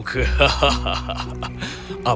apakah kau belum memahami